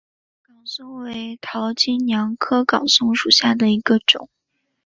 岗松为桃金娘科岗松属下的一个种。